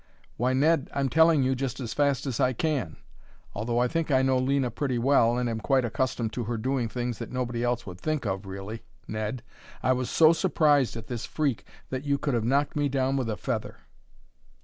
"Why, Ned, I'm telling you just as fast as I can! Although I think I know Lena pretty well, and am quite accustomed to her doing things that nobody else would think of, really, Ned, I was so surprised at this freak that you could have knocked me down with a feather!"